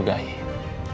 kamu akan di curgahi